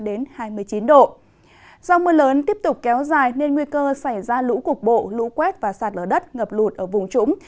do mưa lớn tiếp tục kéo dài nên nguy cơ xảy ra lũ cục bộ lũ quét và sạt lở đất ngập lụt ở vùng trũng